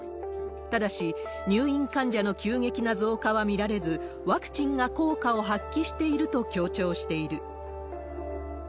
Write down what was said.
ただし、入院患者の急激な増加は見られず、ワクチンが効果を発揮していると強調している。